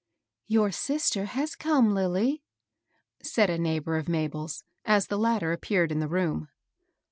" Your sister has come, Lilly," said a neighbor of Mabel's, as the latter appeared in the room.